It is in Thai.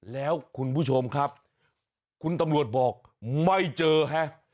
แล้วคุณผู้ชมครับคุณตำรวจบอกไม่เจอฮะ